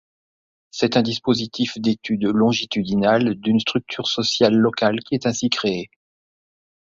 C'est un dispositif d'études longitudinales d'une structure sociale locale qui est ainsi créé.